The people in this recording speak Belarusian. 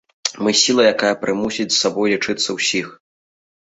Мы сіла, якая прымусіць з сабой лічыцца ўсіх.